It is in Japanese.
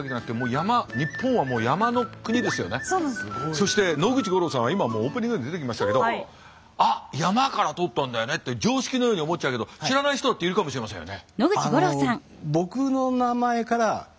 そして野口五郎さんは今もうオープニングで出てきましたけど「あっ山から取ったんだよね」って常識のように思っちゃうけど知らない人だっているかもしれませんよね。